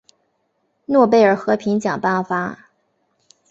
诺贝尔和平奖颁发。